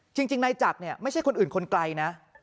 จริงนายจักรเนี่ยไม่ใช่คนอื่นคนไกลนะ